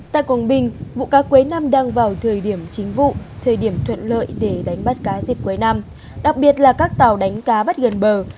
tại quảng bình vụ cá cuối năm đang vào thời điểm chính vụ thời điểm thuận lợi để đánh bắt cá dịp cuối năm đặc biệt là các tàu đánh cá bắt gần bờ